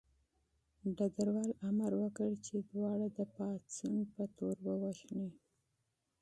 ډګروال امر وکړ چې دواړه د پاڅون په تور ووژني